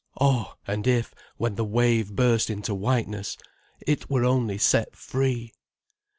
Oh, and if, when the wave burst into whiteness, it were only set free!